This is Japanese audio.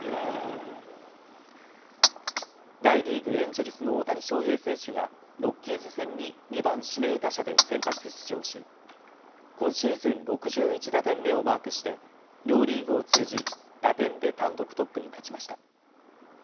大リーグ、エンジェルスの大谷翔平選手がロッキーズ戦に２番・指名打者で先発出場し今シーズン６１打点目をマークして両リーグを通じ打点で単独トップに立ちました。